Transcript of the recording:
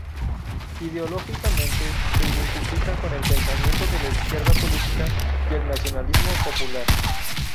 Ideológicamente se identifican con el pensamiento de la Izquierda política y el Nacionalismo popular.